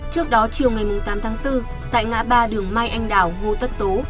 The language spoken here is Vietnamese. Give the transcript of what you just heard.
trước đó chiều ngày tám tháng bốn tại ngã ba đường mai anh đảo hô tất tố